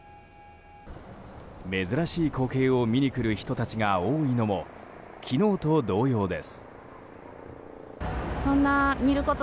珍しい光景を見に来る人たちが多いのも昨日と同様です。